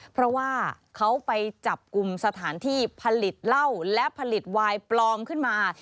เพราะว่าเขาไปจับกลุ่มสถานที่ผลิตเหล้าและผลิตวายปลอมขึ้นมา